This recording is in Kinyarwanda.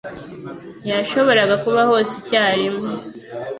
ntiyashoboraga kuba hose icyarimwe.